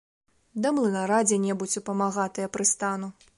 Да млынара дзе-небудзь у памагатыя прыстану.